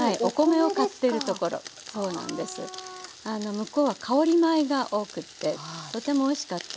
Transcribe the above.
向こうは香り米が多くてとてもおいしかったんですけどね。